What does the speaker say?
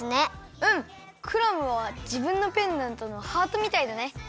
うんクラムはじぶんのペンダントのハートみたいだね。